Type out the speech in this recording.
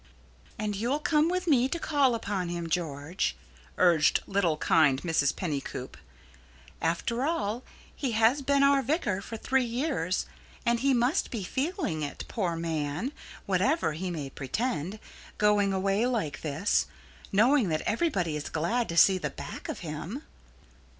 "And you'll come with me to call upon him, George," urged kind little Mrs. Pennycoop. "After all, he has been our vicar for three years, and he must be feeling it, poor man whatever he may pretend going away like this, knowing that everybody is glad to see the back of him."